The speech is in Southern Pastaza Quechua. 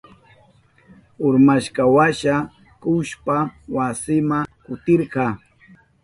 Urmashkanwasha kuhushpa wasinma kutirka.